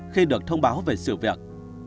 nhưng không báo về sự việc